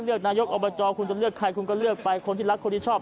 นายกอบจคุณจะเลือกใครคุณก็เลือกไปคนที่รักคนที่ชอบ